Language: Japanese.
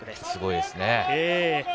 すごいですね。